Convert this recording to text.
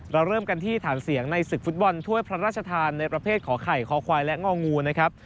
เราเริ่มกันที่ฐานเสียงในศึกฟุตบอลถ้วยพระราชทานในประเภทขอไข่คอควายและงองูนะครับ